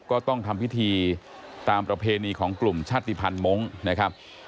ก็ต้องทำพิธีตามประเพณีของกลุ่มชาติภัณฑ์มงค์นะครับ